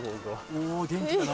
うお元気だな